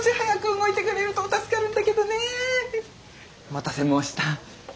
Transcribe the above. お待たせ申した。